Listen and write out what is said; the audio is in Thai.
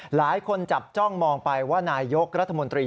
หลายคนจับจ้องมองไปว่านายยกรัฐมนตรี